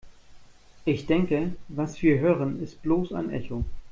Ich denke, was wir hören, ist bloß ein Echo.